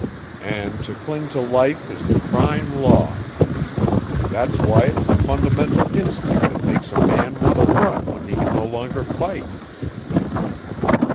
And to cling to life is the prime law. That's why it is a fundamental instinct that makes a man want to run when he can no longer fight."